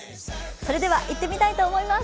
それでは行ってみたいと思います。